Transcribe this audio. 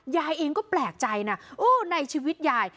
ยายเองก็แปลกใจนะโอ้ในชีวิตยาย